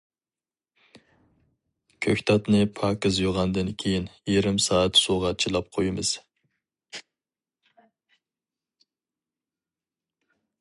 كۆكتاتنى پاكىز يۇغاندىن كېيىن يېرىم سائەت سۇغا چىلاپ قويىمىز.